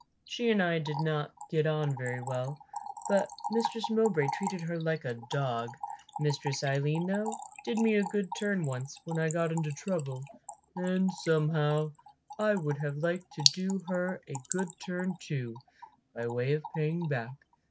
She and I did not get on very well; but Mistress Mowbray treated her like a dog. Mistress Aline, though, did me a good turn once, when I got into trouble, and somehow I would have liked to do her a good turn too, by way of paying back.